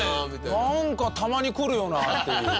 「なんかたまにくるよな」っていう。